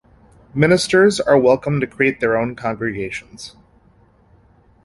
Ministers are welcome to create their own congregations.